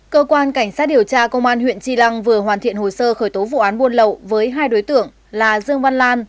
cơ quan cảnh sát điều tra công an huyện tri lăng vừa hoàn thiện hồ sơ khởi tố vụ án buôn lậu với hai đối tượng là dương văn lan